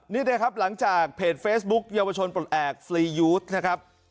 นี่นะครับหลังจากเพจเฟซบุ๊คเยาวชนปลดแอบฟรียูสนะครับ